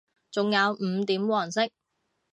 仲有五點黃色